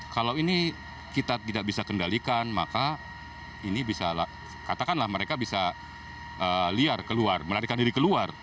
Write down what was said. kalau ini kita tidak bisa kendalikan maka ini bisa katakanlah mereka bisa liar keluar melarikan diri keluar